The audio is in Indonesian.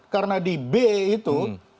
karena di b itu